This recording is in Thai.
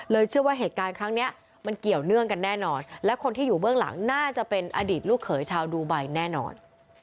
เชื่อว่าเหตุการณ์ครั้งนี้มันเกี่ยวเนื่องกันแน่นอนและคนที่อยู่เบื้องหลังน่าจะเป็นอดีตลูกเขยชาวดูไบแน่นอน